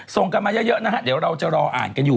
ส่งกันมาเยอะนะฮะเดี๋ยวเราจะรออ่านกันอยู่